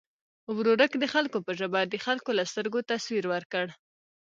ورورک د خلکو په ژبه د خلکو له سترګو تصویر ورکړ.